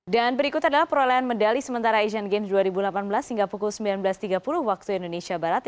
dan berikut adalah perolehan medali sementara asean games dua ribu delapan belas hingga pukul sembilan belas tiga puluh waktu indonesia barat